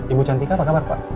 ibu cantika apa kabar pak